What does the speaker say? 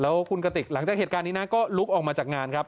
แล้วคุณกติกหลังจากเหตุการณ์นี้นะก็ลุกออกมาจากงานครับ